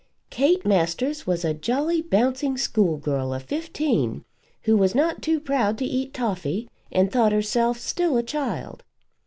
Kate Masters was a jolly bouncing schoolgirl of fifteen, who was not too proud to eat toffy, and thought herself still a child.